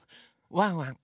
ワンワン